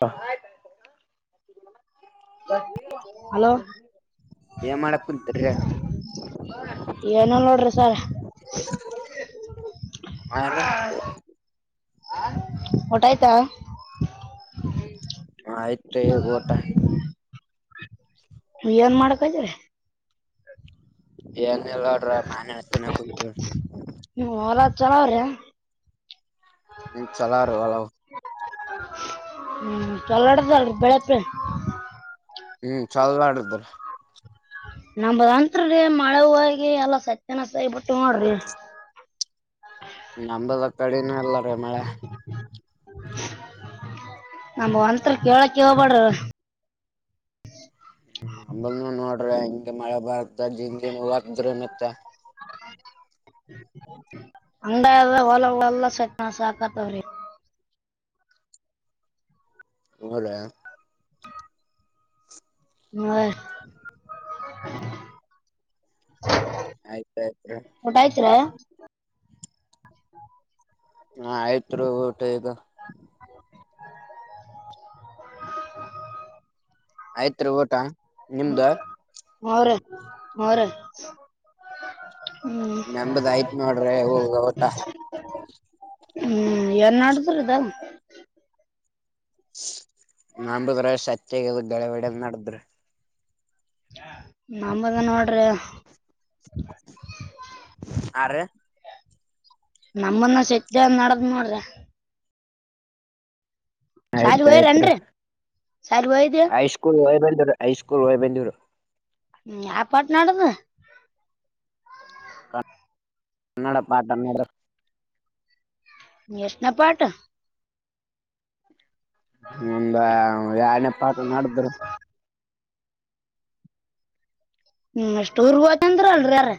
ಹ ಹಲೋ ಏ ಮಾಡಕ್ ಕುಂತರಿ ಲ ಏನ ನೋಡ್ರಿ ಸರ್. ಅವ ಊಟಾಯತ. ಆಯ್ತುಗ ಊಟ. ನೀ ಏನ್ ಮಾಡಕದ್ರೆ. ಏನ್ಲ್ಲಡ್ರ ಮಾನೆ ಹತನೆ ಕುತ ಚಲಾವ್ರೆ ಹ್ಮ ಚಲಾರ ಅಲ. ಹ್ಮ್ ಚಲಡತ ಬೆಳತ್ರಿ. ಹ್ಮ್ ಚಲ ಆಡಿದ್ರ ನಮದಂತ್ರಿೀ ಮಳೆ ಹೋಗಿ ಎಲ್ಲಾ ಸತ್ಯನಸೈ ಬಿಿಟ್ಟು ನೋಡ್ರಿ. ನಂಬದ ಕಡಿನೂ ಎಲ್ಲ ರೀ ಮಳೆ. ನಮ ಒಂತ ಕೇಳಕ್ಕೆ ಹೋಗಬೇಡ್ರ. ನಂಬಲ್ ನೋಡ್ರಿ ಹಿಂಗೆ ಮಳೆ ಬಾರತಂ ಹದ್ರ ಮತ್ತ. ಹ ಅಂದ ಓಲ ಲಲ್ಲ ಸತಣ ಸಾಕಾ ತವ್ರ. ಹೌದಾ ಹ್ಮ ಹ [inaudible] ಹ [inaudible] ಆಯ್ತಾಯಯ್ತು. ಹ ಹಾ ಆಯ್ತ್ ಊಟ ಇದು. ಆಯ್ತ್ರಿ ಊಟ ನಿಮ್ದ. ಹ ರ ಹ ರ ಹ್ಮ್ ನಂಬದ್ ಆಯ್ತ್ ನೋಡ್ರಿ ಹೋಗ ಊಟ ಹ್ಮ್ ಏನ್ ನಡದ್ರದ. ನಂಬತ್ರ್ರ ಸತ್ಯಗ ಗಳಗಡೆ ನಡದ್ರೆ. ನಂಬಾಗ ನೋಡ್ರಿ. ಆ ರೀ ನಮ್ಮನ್ನ ಸತ ನಡದ್ ನೋಡ್ರಿ ಸಾರಿ ಆಯ್ತು ಆಯ್ತ್ ರ ಹೋಯ್ರನ್ರಿ ಸಾರಿ ಹೋಯ್ದಿ ಹೈಸ್ಕೂಲ್ ವೈ ಬನ್ನಿ. ಹ ಐಸ್ಕೂಲ್ ವಬಂದೂರು. ಹ್ಮ್ ಯಪಟ್ನಾಡದು ಕನ್ನಡ ಪಾಠ ನಡ್ರ. ಯಶ್ಣ ಪಾಠ. ಒಂದ ಯನ ಪಾಠ ನಡದ್ ರೀ. ಹ್ಮ್ ಅಷ್ಟ ಊರ್ಗ ಚಂದ್ರ ಅಲ್ರಿ ಯಾರ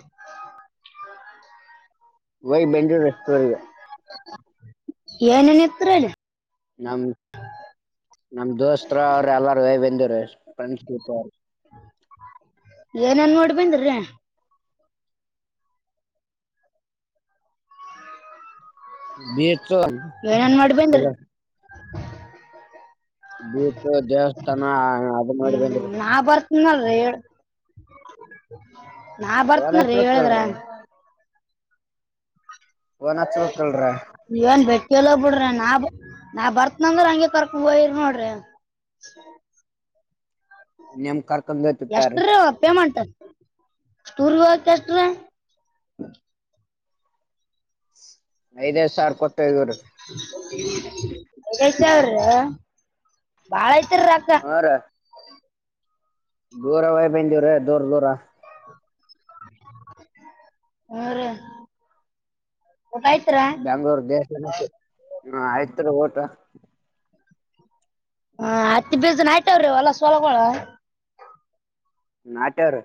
ವಯ್ ಬೆಂಜೂರು ರಸ್ರ್ಗ ಏನೇನತ್ರಲ್ಲ ನಮ ನಮ ದೋಸ್ತತ್ರ ಅವರು ಎಲ್ಲಾರೂ ಬಂದರು ಫ್ರೆಂಡ್ಪ್ ಅವ ಏನನ್ ನೋಡಿ ಬಂದಿ ಬಿ ಚ ಬೀಚ್ ದೇವಸ್ಥಾನ ಅದು ಮಾಡಿ ಹ್ಮ ಬಂದ್ರಿ ನಾ ಬರ್ ನಲ್ರಿ ಹೇಳ ನಾ ಫೋನ್ ಬರ್ತನಲ್ ಹೇಳಿದ್ರ ಹಚ್ಬೇಕಲ್ರೀ ಫೋನ್ ಹಚ್ಬೇಕಲ್ರೀ ಇವನ್ ಬೆಟ್ಟಲ್ಲ ಹೋಗ್ ಬಿಡ್ರಿ ನಾ ನಾ ಬರ್ತ್ನಂದ್ರ ಹಂಗಗೆ ಕರ್ಕೊಂಡ್ ಹಯರಿ ನೋಡ್ರಿ ನಿಮ್ ಕರ್ಕೊಂಡ್ ಹೋಗ್ತಿರ್ತಾರಿ ಎಷ್ಟ್ರ ಪೇ ಮಾಡಂ ತೂರ್ ಕೆಷ್ಟ್ರ ನದ ಸಾರ್ ಕೊ ೇ ಅವ್ರ ಬಾಳ ಕ್ಕ ಹಾ ರೀ ದೂರ ವಯ್ ಬಂದವ್ರ ದೂರ ದೂರ ಹ ರ ಬೆ್ಯಾಂಗ್ಳೂರ್ ದೇಶ ಹ ಆಯ್ತ ಊಟ ಹ ಹತ್ತ ಬೀಜನ್ ಆಯ್ತವ್ರಿ ಹೊಲ್ಲ ಸೋಲಗೋಳ ನಾಟರ್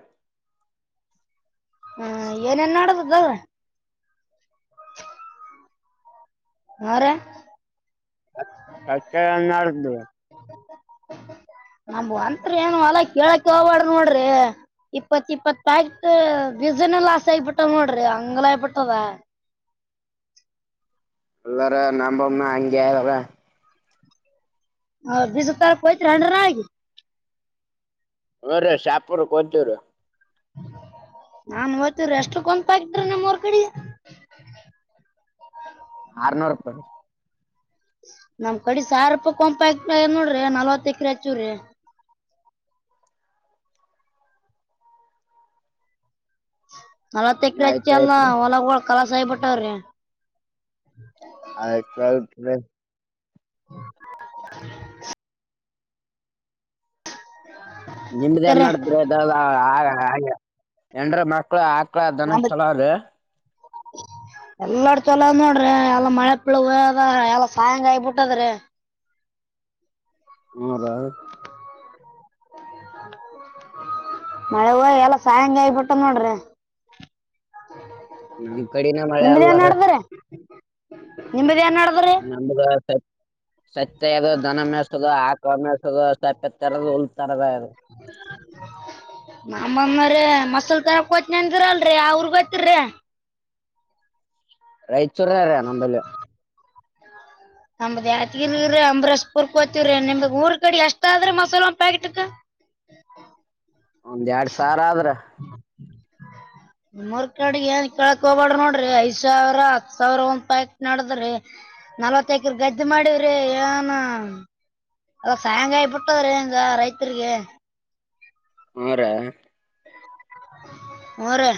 ಹ್ಮ ಏನೇನ್ ಮಾಡೋಡದ್ದಲ್ ಹರ ಹಚ್ಚನ್ನಡ್ ನಮ ಒಂತ್ರಿ ಏನು ಅಲ್ಲ ಕೇಳಕ್ ಹಬಡ್ರಿ ನೋಡ್ರಿ ಇಪ್ಪತ್ ಇಪ್ಪತ್ ಪ್ಯಾಕೆಟ್ ಬಜನ್ ಲಾಸ್ ಆಗಬಿಟ್ಟ ನೋಡ್ರಿ ಹಂಗಲಬಿಟ್ಟದ ಎಲ್ಲಾರ ನಂಬಮ್ಮ ಅಂಗಲ್ಲ ಅವೌ ಬಜ ತಾರಯತ್ರಿ ಹಂಡ್ರ ಆಗಿ ಹ ರೀ ಶಾಪುರು ಕಂತೀವ್ರ ನಾನ್ ಹಓ್ತವಿ ಎಷ್ಟು ಕುಂತ ಆಗಿದ್ರಿ ನಿಮ್ ಊರ್ ಕಡೆ ಆರನೂರು ರಪಾಯಿ ನಮ್ ಕಡೆ ಸಾವ ರೂಪ ಕಂಪ ಆ ನೋಡ್ರಿ ನಲ್ವತ್ ಎಕ್ರ ಹಚ್ಚವ್ರಿ ನಲ ತೆಕ್ಕ ಹಚ್ಚಿ ಅಲ್ಲ ಆಯ್ತಾಯ್ತ್ರಿ ಹೊಲಗ ಕಲಸಾಯಬಟ್ಟವ್ರಿ ಅ ಎತ್ರ [unintelligible] ನಿಮ್ದ ನ್ ಬಿಟ್ಟವ್ರಿ ನಡ್ದ್ರ ಹಾಗ ಎನ್ರ ಮಕ್ಳು ಆ ಮಕ್ಕಳ ದನ ಚಲದೆ ಎಲ್ಲಾರ ಚೊಲೋದ್ ನೋಡ್ರಿ ಎಲ್ಲಾ ಮಳೆ ಪಳದ ಎಲ್ಲ ಸಾಯಂಗ ಆಯಬಿಟ್ಟದ್ರಿ ಆರ ಮಳೆ ಹ ಎಲ್ಲ ಸಾಯಂಗ ಆಯಬಿಟ್ಟು ನೋಡ್ರಿ ಹ್ಮ ಕಡಿನೆ ಮಳೆ ಅಲ್ಲಾರ ನಿ ನಮಗ ಸ ಸತ್ಯ ಅ ದನ ಮೇಸದ ಆಕ ಮೇಸದ ನಪ್ಪತ್ತೆರ ಉಲ್ತರದು ಮಾಮ್ಮಮ್ಮ್ರ ಮಸಲ್ ತರ ಕೋತ್ನೆ ಅಂದಿರಲ್ರಿ ಅವ್ರ ಗೊತ್ತರರಿ ರೈಚೂರಾರ ನಂಬಲ್ಲಿ ನಂಬದ್ ಯಗೀ ಅಂಬ್ರಷ್ಟ ಪೂರ್ಕೋತವ್ರಿ ನಿಮ್ದ್ ಊರ್ ಕಡೆಡಿ ಎಷ್ಟ ಆದ್ರೆ ಮಸಾಲೆ ಒಂದ್ ಪ್ಯಾಕೆಟ್ಕ್ ಒಂದ್ ಎರಡ್ ಸಾರ ಆದ್ರ ಮೂರ್ ಕಡೆ ಏನ್ ಕಳಕ್ ಹೋಗಬಾಡ್ರ ನೋಡ್ರಿ ಐದ್ ಸಾವಿರ ಹತ್ ಸಾವಿರ ಒಂದ್ ಪ್ಯಾಕಟ್ ನಡದ್ರಿ ನಲ್ವತ್ತಕರ ಗದ್ದೆ ಮಾಡವ್ರಿ ಏನ್ ಅದ ಸಾಂಗಾಯ ಬಿಟ್ಟದ್ರಿ ರೈತರಿಗೆ ಹುರಿ ಹುರಿ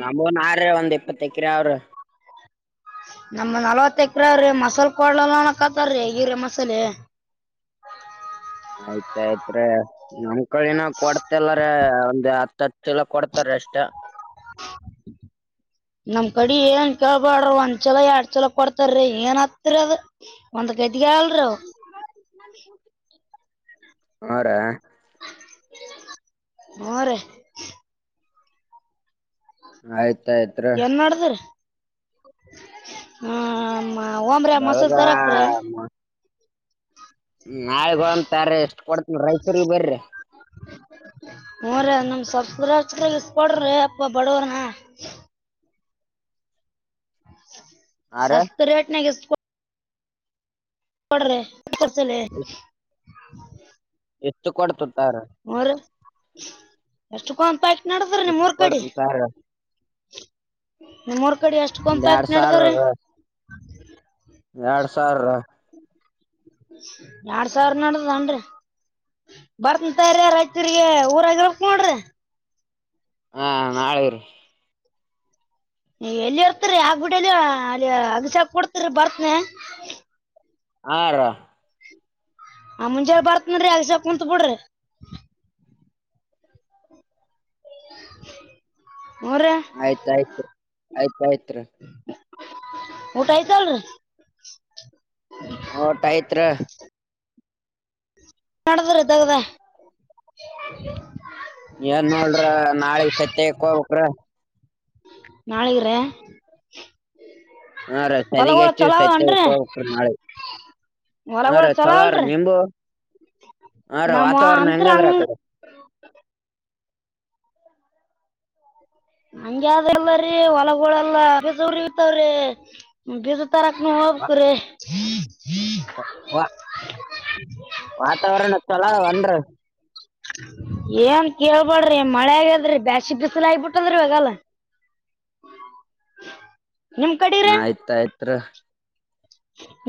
ನಮೂನು ಅವ್ರೀ ಒಂದ್ ಇಪ್ಪತ್ತ ಎಕ್ರೆ ಅವರಿ ನಮ ನಲ್ವತ್ ಎಕ್ರ್ರೀ ಮಸಾಲ ಕೊಡ್ಲಲ್ಲನ ಕತಾರೀ ಈ್ರ ಮಸಾಲೆ [unintelligible] ಆಯ್ತ್ ಆಯ್ತ್ ರೀ ನಮ್ ಕಡಿ ಇನ್ನ ಕೊಡ್ತಿಲ್ಲರಿ ಒಂದು ಹತ್ತತ್ತು ಚೀಲ ಕೊಡ್ತಾರಿ ಅಷ್ಟ ನಮ್ ಕಡಿ ಏನ್ ಕೇಳ್ಬಾಡ್ರಿ ಒಂದ್ ಚೀಲ ಎರಡ್ ಚೀಲ ಕೊಡ್ತಾರೀ ಏನ್ ಆಯ್ತುದ್ ರಿ ಅದ ಒಂದ್ ಕೈದ ಕೇಳಲ್ಲಾರಿ ಅವರ [unintelligible] ಹಾರಿ ಹ್ಮ ರಿ ಆಯ್ತು ಏನ್ ನಾಡದ್ರಿ ಹ ಹ ಹೋಗಮ ರಿ ಮಸರ ಬೆಳಗ ತರಕ್ರಿ ಹ್ಮ ನಾಳೆ ಬಾ ಅಂತರೈ ಎಷ್ಟ್ ಕೊಡ್ತನ್ ರಾಯಚೂರು ಬರ್ರಿ ಶಿವರಾಜ್ಕೈಲಿ ಈಸ್ ಕೊಡ್ರಿ ಯಪ್ಪಾ ಬಡುಹನ ಆರ ಸಸ್ತಿ ರೇಟ್ ನಾಗ್ ಇಸ್ ಕೊಡ್ರಿ [unintelligible] ಎತ್ತುಕ ಕೊಡ್ತದ ಹುರಿ ಎಷ್ಟುಕ ಒಂದ ಪ್ಯಾಕೆಟ್ ನಡದದ ನಿಮ್ ಎಷ್ಟು ಊರು ಕಡಿ ಕೊಡ್ತಾರ ನಿಮ್ಮರ್ ಕಡೆ ಎಷ್ಟುಕ ಒಂದ ಒಂದ್ ಎರಡ್ ಪ್ಯಾಕೆಟ್ ಸಾವಿರ ನಾಡದದ್ರಿ ಎರಡ್ ಸಾವಿರ ಎರಡ ಸಾವಿರ ನಡ್ದದದ ಏನ್ರಿ ಬರ್ತನ ತೊಗೋರಿ ರಾಯಚೂರಿಗೆ ಊರಾಗ ಇರಬೇಕು ನೋಡ್ರಿ ಹಾ ನಾಳೆರಿ ನೀ ಎಲ್ಲಿ ಇರ್ತರಿ ಆಗ್ಬಿಡಲ್ಲಿ ಅಲ್ಲಿ ಅಗಸ್ಯಾಗ್ ಕೊಡ್ತರಿ ಬರ್ತನಿ ಹಾ ರೋ ಆ ಮುಂಜಳೆ ಬರ್ತೀನಿರಿ ಅಗಸ್ಯಾಗ್ ಕುಂತು ಬಿಡ್ರಿ [unintelligible] ಆಯ್ತಾ ಆಯ್ತಾ ಆಯ್ತಾಯ್ತ್ ರಿ ಊಟಾ ಆಯ್ತಲ್ರೀ ಊಟ ಆಯ್ತ್ರಿ ಏನ್ ನಾಡದದರಿ ದಗದ ಏನ್ ನೋಡ್ರ ನಾಳಿಗ ತತ್ತೆ ಹಾಯ್ಕ ಹೋಗ್ಬೇಕ ನಾಲಿಗ್ರಿ ಹಾ ರಿ ಸದಗೆಚ್ಚು ಚಲೋ ತತ್ತೆ ಅವನ್ರಿ ಹೇಕೊಳಕ್ ನಾಳೆ ಹ ಹೊಲಗಳು ಚಲೋ ತಲಾರ ಅಲ್ರಿ ನಿಂಬು ಹಾ ರಿ ನಮ್ಮ ವಾತಾವರಣ ಅಂತ್ರ ಹೆಂಗಾದ್ರ ಹಂಗ ಅ ಕಡೆ ಹಂಗೆ ಆದ ಅಲ್ರೀ ಹೊಲಗೋಳ ಎಲ್ಲಾ ದೂರ ಇರ್ತಾವ ರಿ ಫ್ರಿಜ್ ತಾರಕ ನು ಹೋಗಬೇಕು ರಿ ವಾ ವಾತಾವರಣ ಚಲೋ ಅವ ಏನ್ರಿ ಏನ್ ಕೇಳ್ಬಾಡ್ರಿ ಮಳೆ ಆಗದ್ರಿ ಬ್ಯಾಸಿ ಬಿಸಿಲ ಆಗಬಿಟ್ಟದ್ರಿ ಇವಾಗೆಲ್ಲ. ನಿಮ್ ಆಯ್ತ ಆಯ್ತ್ ರಿ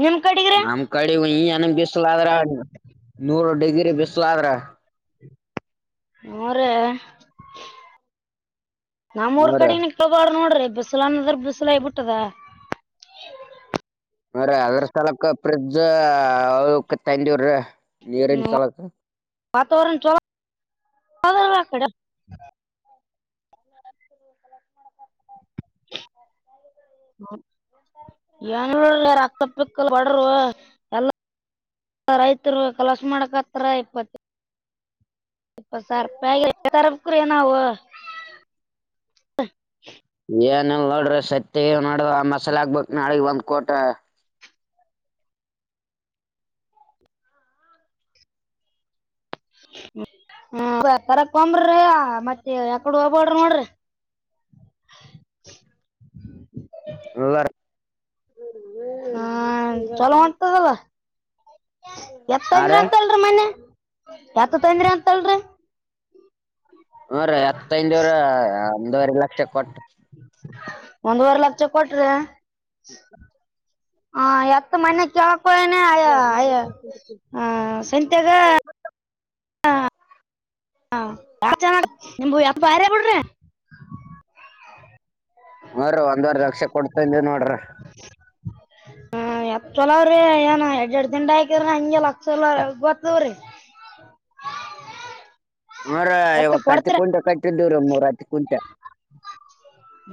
ನಿಮ್ಕಾ ನಮ್ ಕಡೆ ಈಏನ ಬಿಸಲಾದ್ರ ನೂರು ಡಿಗ್ರಿ ಬಿಸಲಾದ್ರ ಹುರಿ ನಮೂರ್ ಹ್ಮ್ ರಿ ಕಡೆನ ಕೇಳ್ಬೇಡಿ ನೋಡ್ರಿ ಬಿಸಿಲಂದರ ಬಿಸಿಲ ಆಗಿಬಿಟದ ಹುರಿ ಅದ್ರ ಸಲೆಕಾ ಫ್ರಿಜ ಅದು ತಂದಿವವ್ರೀ ಹ್ಮ ವತಾವರಣ ಚಲೋ ಅದಾ ಆಕ್ಡೆ [unintelligible] ಯನೂಲ್ಲಾರ ಅಕ್ಕ ಪಕ್ಕಲ್ ವಡರು ಎಲ್ಲ [unintelligible] ರೈತರು ಕೆಲಸ ಮಾಡಕತ್ರ ಇಪ್ಪತ್ತ ಇಪ್ಪತು ಸಾವಿರ ಆಗಿಲ್ರಿ ಏನ್ ತರಬೇಕ್ರಿ ನಾವು. ಏನಲ್ ನೋಡ್ರಿ ಸತ್ತ್ಯಾಗೆದು ನೋಡ ಆ ಮಸಾಲ ಆಗ್ಬೇಕ್ ನಾಳಿಗಿ ಒಂದ್ ಕೋಟ. ಹ ತರಕಬ್ರಿ ಮತ್ತೆ ಯಕಡು ಹಬಡಿ ನೋಡ್ರಿ. [unintelligible] ಹಾ ಚಲೋ ಹೋಂಟದಲ್ಲ. ಎತ್ ಹಾ ತೊಂದ್ರಿ ರಿ ಅಂತಲ್ರಿ ಮನೆ ಎತ್ ತೊಂದ್ರಿ ಅಂತಲ್ರಿ. ಹು ರಿ ಎತ್ತು ತಂದೆರಿ ಒಂದುವರೆ ಲಕ್ಷ ಕೊಟ್ಟು. ಒಂದುವರ್ ಲಕ್ಷ ಕೊಟ್ರ ಹ ಎತ್ತ ಮನ್ಕ್ [inaudible] [unintelligible] ಕುಡ್ರೇ. ಹೋ ರ ಒಂದ್ವರ್ ಲಕ್ಷ ಕೊಡ್ತಂದಿನಿ ನೋಡ್ರೇ. ಎತ್ ಚಲಾವ್ರೀ ಏನ ಎರಡ್ ಎರಡ್ ದಿಂಡ್ ಹಾಕಿದ್ರೇ ಹಂಗೆ ಲಕ್ಷ್ ಚಲ ಗೊತ್ತವ್ರೀ. ಅನರೆ ಎತ್ತ ಇವತ್ತು ಹತ್ತು ಕೊಡ್ತೀರ ಕ್ವಿಂಟೆ ಕಟ್ಟಿದ್ದವ್ರೀ ನೂರ ಹತ್ತು ಕ್ವುಂಟೆ.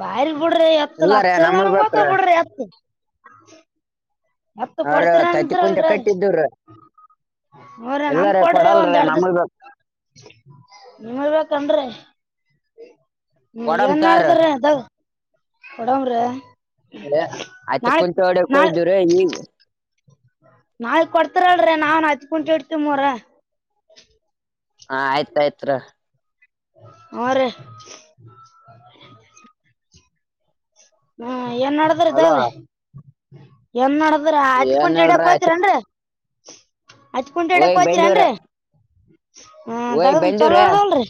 ಬಯಲ್ ಬಿಡ್ರಿ ಎತ್ತು ಇಲ್ಲರಿ ಲಕ್ಷ ಎಲ್ಲ ನಮಗ್ ಬೇಕ್ರಿ ಹೋತಾವ್ ಬಿಡ್ರಿ ಎತ್ತು. ಎತ್ತು ಅವ್ರ ಕೊಡ್ತೀವಿ ಹತ್ತಿ ಅಂದ್ರ ಕುಂಟೆ ಅಲ್ರಿ. ಕಟ್ಟಿದ್ದೀವ್ರಿ ಹೋರಿ ನಮ ಇಲ್ಲರಿ ಕೊಡ್ರಿ ಒಂದ್ ಕೊಡಲ್ರಿ ಎರಡ್ ದಿವಸ. ನಮಗ್ ಬೇಕ್ ನಿಮಬೇಕನ್ ರೀ. ಹ್ಮ ಕೊಡಮ್ ಏನ್ ತಗೋರಿ ಮಾಡದ್ರೀ ಅದ ಕೊಡಂವ್ರೀ. ಅ ಆ ಚೆ ಕುುಂಚೆ ಒಡೆ ಕೊದ್ವ್ರೀ. ನಾಕ್ ಕೊಡ್ತರಲ್ರೀ ನಾನ್ [unintelligible] ಕುಂತ ಇಡ್ತ ಮುರ. ಹ ಆಯ್ತ್ ಆಯ್ತ್ ರೀ. ಹು ರೀ. ಹ್ಮ ಏನ್ ನಡದ್ರ ಹಲೋ ಇದಾವೆ ಎನ್ ನಡ್ದ [unintelligible] ಇ್ರ ಆತ್ ಏನ್ ಕುಂಟ ಎಡಕ್ ಹೇಳ್ರಿ ಹೋತರೆನ್ ರೀ. ಹತ್ ಕುಂಟೆ ಎಡಕ್ ಹೋಯ್ ಹತರಿ ಬಂದಿವ್ರ ಎನ್ರಿ ಹ ಹೋಯ್ ದಗ ಬಂದಿವ್ರ ಚಲೋಡದವಲ್ರಿ.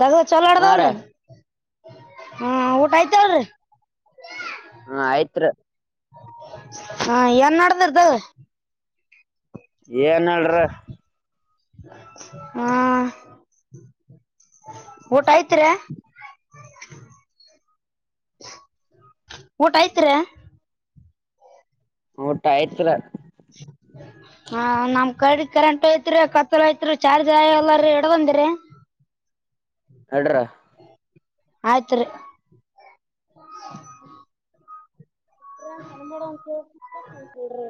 ದಗದ ಚಲ ಹಾ ರ ಆಡದವಲ್ರಿ ಹ ಊಟ ಆಯ್ತಲ್ರಿ. ಹ್ಮ ಆಯುತ್ರಿ. ಹಾ ಎನ್ ನಡ್ದರುದೆ. ಏನ್ ಹೇಳಲ್ರಿ. ಹ್ಮ ಊಟ ಆಯ್ತ್ರೇ. ಊಟ ಆಯ್ತ್ರ. ಊಟ ಆಯ್ತ್ರ. ಹ ನಮ ಕಡೆ ಕರೆಂಟ್ ಹೋಯ್ತ್ರಿ ಕತ್ತಲ ಐತ್ರಿ ಚಾರ್ಜ್ ಆಯ ಎಲ್ಲೀ ಇಡಬಂದಿರಿ. ಅಡ್ರ ಆಯ್ತರಿ. ಚನ್ ಮಾಡೋಂತ ಕು ಉಂ ನೋಡ್ರಿ.